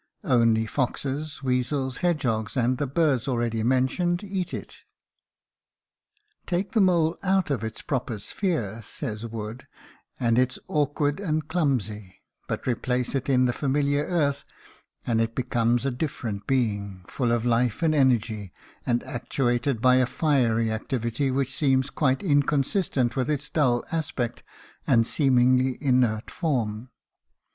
Only foxes, weasels, hedgehogs, and the birds already mentioned, eat it. "Take the mole out of its proper sphere," says Wood, "and it is awkward and clumsy, but replace it in the familiar earth, and it becomes a different being full of life and energy, and actuated by a fiery activity which seems quite inconsistent with its dull aspect and seemingly inert form.